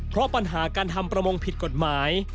เพราะปัญหาการทำประมงผิดกฎหมาย